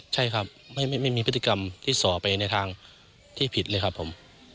ใช่ครับไม่มีพฤติกรรมที่สอไปในทางที่ผิดเลยครับผม